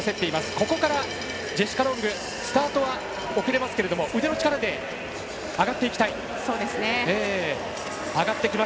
ここからジェシカ・ロングスタートは遅れますけど腕の力で上がっていきたい。